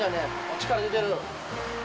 力出てる。